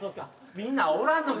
みんなおらんのか。